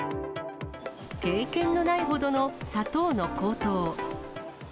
経験のないほどの砂糖の高騰。